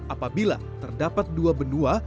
apabila terdapat dua benua